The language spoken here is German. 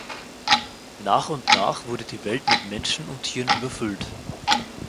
Nach und nach wurde die Welt mit Menschen und Tieren überfüllt.